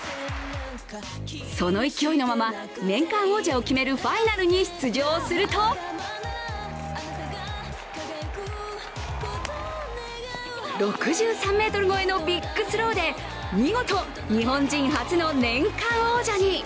その勢いのまま、年間王者を決めるファイナルに出場すると６３ｍ超えのビッグスローで見事、日本人初の年間王者に。